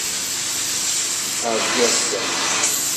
Ṛjiɣ-ten.